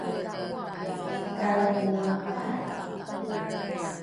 Kay hungu kay